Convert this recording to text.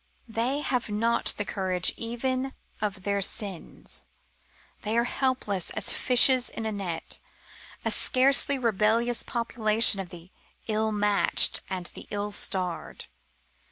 They have not the courage even of their sins. They are helpless as fishes in a net a scarcely rebellious population of the ill matched and the ill starred.